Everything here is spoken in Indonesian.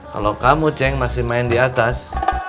kalau kamu ceng masih main di atas